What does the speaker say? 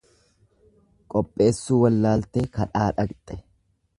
Qopheessuu wallaaltee kadhaa dhaqxe.